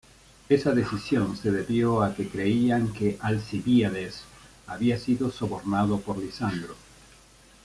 Esa decisión se debió a que creían que Alcibíades había sido sobornado por Lisandro.